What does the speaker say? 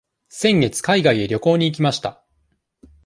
先月海外へ旅行に行きました。